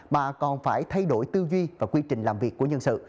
mà còn phải thay đổi tư duy và quy trình làm việc của nhân sự